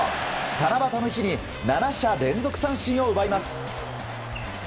七夕の日に、７者連続三振を奪います。